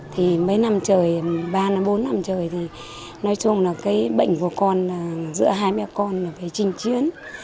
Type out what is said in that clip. thì mấy năm trời ba bốn năm trời thì nói chung là cái bệnh của con giữa hai mẹ con là phải trinh chiến